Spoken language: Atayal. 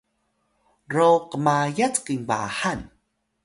ro qmayat kinbahan